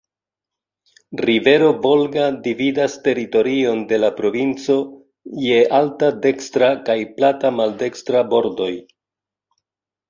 Rivero Volga dividas teritorion de la provinco je alta dekstra kaj plata maldekstra bordoj.